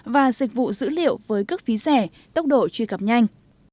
và dịch vụ dữ liệu với cước phí rẻ tốc độ truy cập nhanh